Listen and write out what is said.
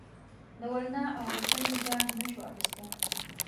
د وینا اولیکنې جاج نشو اخستی.